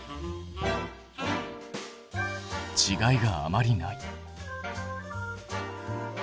ちがいがあまりない。